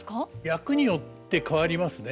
役によって変わりますね。